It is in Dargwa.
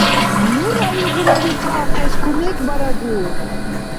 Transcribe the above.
Нура илгъуна ветаахъес кумекбарагу.